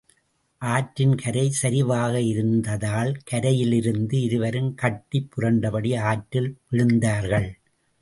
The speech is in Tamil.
ஆற்றின் கரை சரிவாக இருந்ததால் கரையிலிருந்து இருவரும் கட்டிப் புரண்டபடி, ஆற்றில் விழுந்தார்கள்.